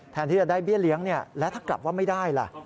แทนที่จะได้เบี้ยเลี้ยงแล้วถ้ากลับว่าไม่ได้ล่ะ